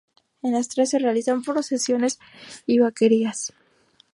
En las tres se realizan procesiones y vaquerías